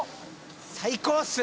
最高っす！